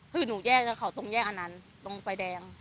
คือหนูแยกจากเขาตรงแยกอนันต์ตรงไฟแดง